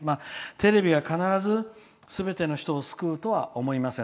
テレビは必ず、すべての人を救うとは限りません。